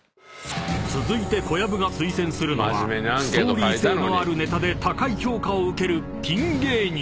［続いて小籔が推薦するのはストーリー性のあるネタで高い評価を受けるピン芸人］